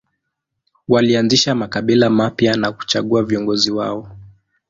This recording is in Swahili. Walianzisha makabila mapya na kuchagua viongozi wao.